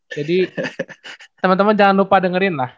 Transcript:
jadi teman teman jangan lupa dengerin lah